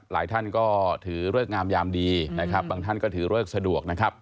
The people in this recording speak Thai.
หลายท่านก็ถือเลิกงามยามดีนะครับบางท่านก็ถือเลิกสะดวกนะครับ